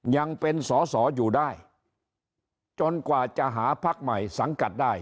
ยังเป็นสอสออยู่ได้จนกว่าจะหาพักใหม่สังกัดได้